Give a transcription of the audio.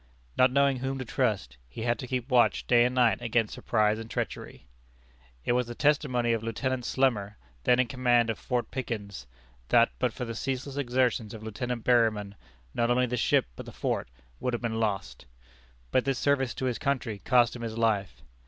Not knowing whom to trust, he had to keep watch day and night against surprise and treachery. It was the testimony of Lieutenant Slemmer, then in command of Fort Pickens, that but for the ceaseless exertions of Lieutenant Berryman not only the ship but the fort would have been lost. But this service to his country cost him his life.